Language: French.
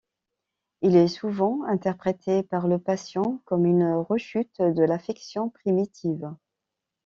Il est souvent interprété par le patient comme une rechute de l'affection primitive.